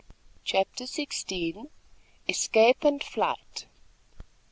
CHAPTER XVI. ESCAPE AND FLIGHT.